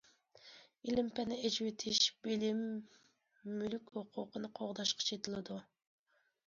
ئىلىم- پەننى ئېچىۋېتىش بىلىم مۈلۈك ھوقۇقىنى قوغداشقا چېتىلىدۇ.